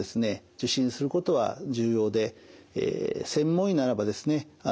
受診することは重要で専門医ならばですね